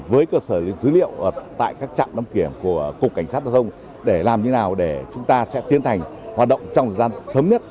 với cơ sở dữ liệu tại các trạm đăng kiểm của cục cảnh sát giao thông để làm như thế nào để chúng ta sẽ tiến hành hoạt động trong thời gian sớm nhất